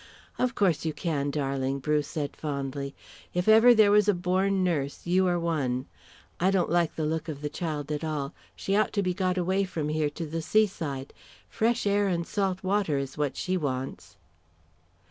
"Of course you can, darling," Bruce said fondly. "If ever there was a born nurse you are one. I don't like the look of the child at all. She ought to be got away from here to the seaside. Fresh air and salt water is what she wants."